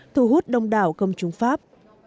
thu hút đông đảo công chúng pháp